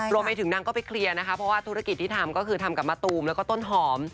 รวมไปถึงนางก็ไปเคลียร์นะคะเพราะว่าธุรกิจที่ทำก็คือทำกับมะตูมแล้วก็ต้นหอม